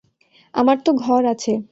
আমার তো ঘর আছে।